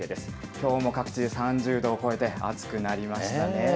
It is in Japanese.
きょうも各地で３０度を超えて暑くなりましたね。